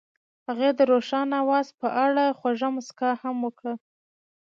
هغې د روښانه اواز په اړه خوږه موسکا هم وکړه.